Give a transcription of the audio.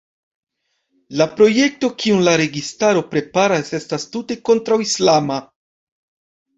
La projekto kiun la registaro preparas estas tute kontraŭislama.